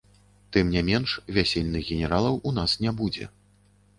Тым не менш, вясельных генералаў у нас не будзе.